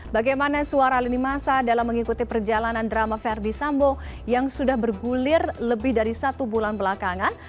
bagaimana suara lini masa dalam mengikuti perjalanan drama verdi sambo yang sudah bergulir lebih dari satu bulan belakangan